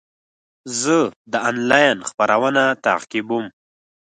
زه د انلاین خپرونه تعقیبوم.